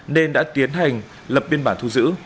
nên đã tiến hành lập biên bản thu giữ